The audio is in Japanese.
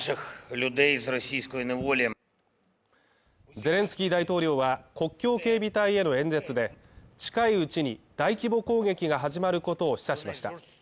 ゼレンスキー大統領は、国境警備隊への演説で、近いうちに大規模攻撃が始まることを示唆しました。